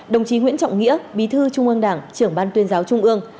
đồng chí nguyễn trọng nghĩa bí thư trung ương đảng trưởng ban tuyên giáo trung ương